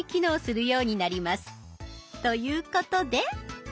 ということで。